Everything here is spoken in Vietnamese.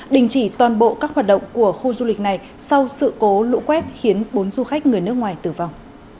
đình chỉ toàn bộ các hoạt động của khu du lịch này sau sự cố lũ quét khiến bốn du khách người nước ngoài tử vong